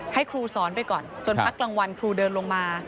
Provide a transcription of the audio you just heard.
ให้ครูสอนไปก่อนจนพักกลางวันครูเดินลงมา